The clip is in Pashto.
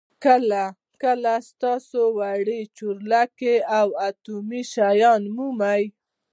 کله کله تاسو وړې چورلکې او اټومي شیان مومئ